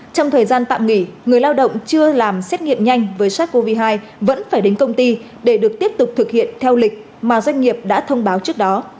trong thời gian tạm nghỉ người lao động chưa làm xét nghiệm nhanh với sars cov hai vẫn phải đến công ty để được tiếp tục thực hiện theo lịch mà doanh nghiệp đã thông báo trước đó